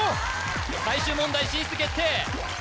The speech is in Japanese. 最終問題進出決定